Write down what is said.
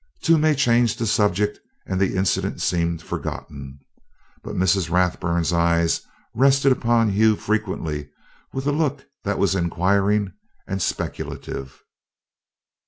Toomey changed the subject and the incident seemed forgotten, but Mrs. Rathburn's eyes rested upon Hugh frequently with a look that was inquiring and speculative.